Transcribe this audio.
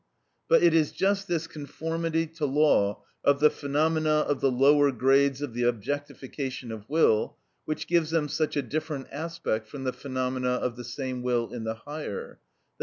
But it is just this conformity to law of the phenomena of the lower grades of the objectification of will which gives them such a different aspect from the phenomena of the same will in the higher, _i.